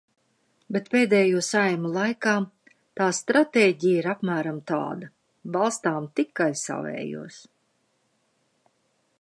Bet pēdējo Saeimu laikā tā stratēģija ir apmēram tāda: balstām tikai savējos.